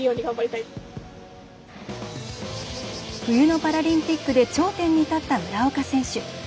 冬のパラリンピックで頂点に立った村岡選手。